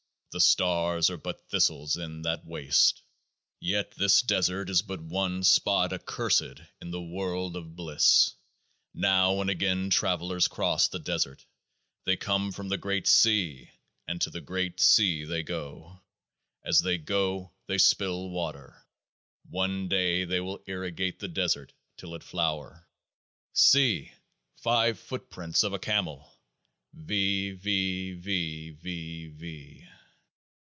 The Stars are but thistles in that waste. Yet this desert is but one spot accursed in a world of bliss. Now and again Travellers cross the desert ; they come from the Great Sea, and to the Great Sea they go. As they go they spill water ; one day they will irrigate the desert, till it flower. See ! five footprints of a Camel ! V.